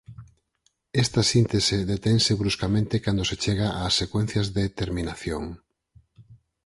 Esta síntese detense bruscamente cando se chega ás secuencias de terminación.